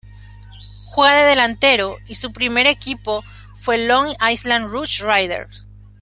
Juega de delantero y su primer equipo fue Long Island Rough Riders.